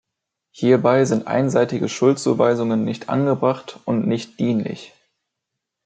Hierbei sind einseitige Schuldzuweisungen nicht angebracht und nicht dienlich.